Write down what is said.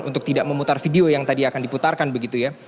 untuk tidak memutar video yang tadi akan diputarkan begitu ya